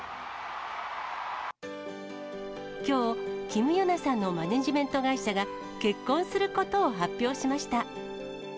きょう、キム・ヨナさんのマネジメント会社が、結婚することを発表しました。